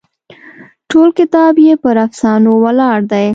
ټول کتاب یې پر افسانو ولاړ دی.